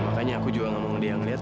makanya aku juga gak mau ngeliat